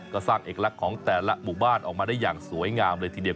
ก็สร้างเอกลักษณ์ของแต่ละหมู่บ้านออกมาได้อย่างสวยงามเลยทีเดียว